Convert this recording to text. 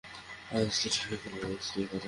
আজ দেরি হয়ে গেছে, আমার স্ত্রী একা থাকে।